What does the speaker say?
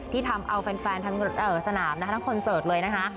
ที่ทำเอาแฟนสนามทั้งคอนเสิร์ตเลยนะคะ